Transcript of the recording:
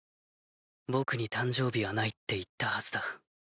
僕に誕生日はないって言ったはずだ。